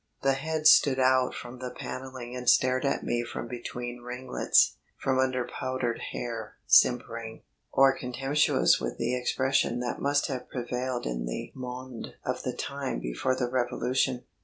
The heads stood out from the panelling and stared at me from between ringlets, from under powdered hair, simpering, or contemptuous with the expression that must have prevailed in the monde of the time before the Revolution.